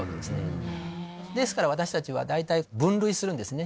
ですから私たちは大体分類するんですね。